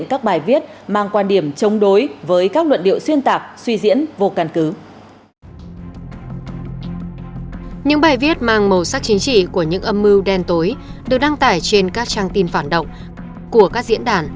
những bài viết mang màu sắc chính trị của những âm mưu đen tối được đăng tải trên các trang tin phản động của các diễn đàn